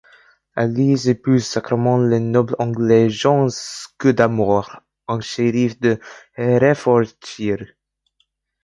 Alys épouse secrètement le noble anglais John Scudamore, un shérif du Herefordshire.